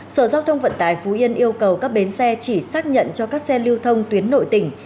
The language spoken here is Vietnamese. sở giao thông vận tải phú yên yêu cầu các bến xe chỉ xác nhận cho các xe lưu thông tuyến nội tỉnh